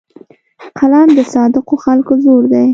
قلم د صادقو خلکو زور دی